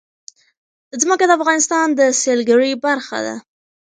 ځمکه د افغانستان د سیلګرۍ برخه ده.